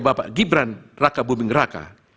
bapak gibran raka buming raka